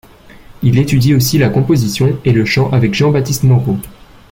Il étudie aussi la composition et le chant avec Jean-Baptiste Moreau.